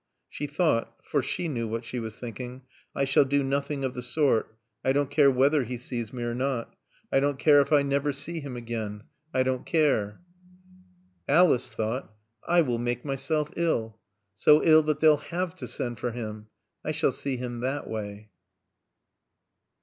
She thought (for she knew what she was thinking), "I shall do nothing of the sort. I don't care whether he sees me or not. I don't care if I never see him again. I don't care." Alice thought, "I will make myself ill. So ill that they'll have to send for him. I shall see him that way."